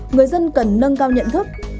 người dân cần nâng cao nhận thức